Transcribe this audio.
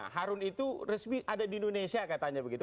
harun itu resmi ada di indonesia katanya begitu